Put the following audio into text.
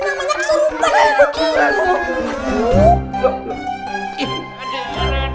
aduh aduh aduh aduh